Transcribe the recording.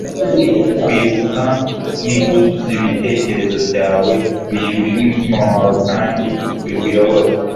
kwibuka nibuzuze ibitekerezo byawe, bishyushya umutima wawe, kandi bikuyobore